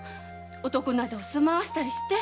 男など住まわせたりして。